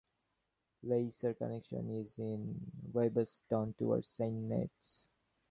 Leisure Connection is in Wyboston, towards Saint Neots.